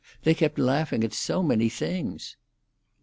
"They kept laughing at so many things."